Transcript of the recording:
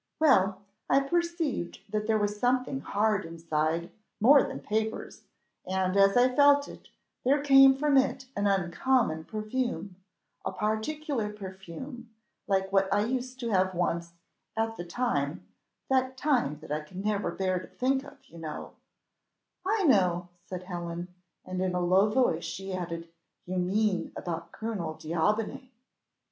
Well! I perceived that there was something hard inside more than papers; and as I felt it, there came from it an uncommon perfume a particular perfume, like what I used to have once, at the time that time that I can never bear to think of, you know " "I know," said Helen, and in a low voice she added, "you mean about Colonel D'Aubigny."